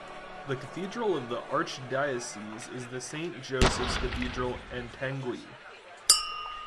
The cathedral of the archdiocese is the Saint Joseph's Cathedral in Taunggyi.